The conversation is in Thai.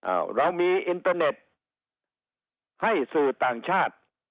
อ้าวเรามีอินเตอร์เน็ตให้สื่อต่างชาติ